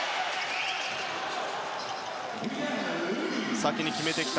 先に決めてきた。